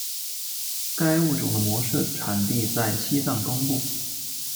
该物种的模式产地在西藏东部。